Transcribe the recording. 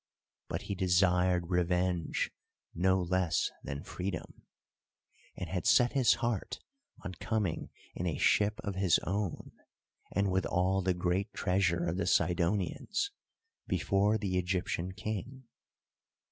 But he desired revenge no less than freedom, and had set his heart on coming in a ship of his own, and with all the great treasure of the Sidonians, before the Egyptian King.